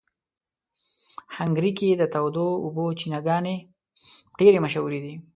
هنګري کې د تودو اوبو چینهګانې ډېرې مشهوره دي.